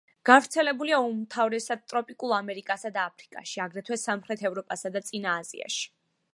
გავრცელებულია უმთავრესად ტროპიკულ ამერიკასა და აფრიკაში, აგრეთვე სამხრეთ ევროპასა და წინა აზიაში.